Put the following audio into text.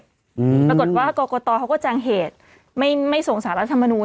ปรากฏว่ากรกตเขาก็จางเหตุไม่ส่งสารรัฐธรรมนูน